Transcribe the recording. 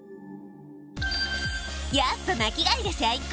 やっぱ巻き貝が最高！